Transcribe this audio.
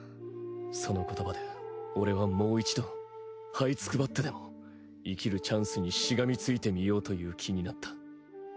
その言葉で俺はもう一度はいつくばってでも生きるチャンスにしがみついてみようという気になった。